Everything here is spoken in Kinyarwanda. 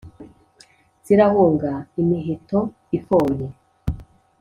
zirahunga imiheto ifoye,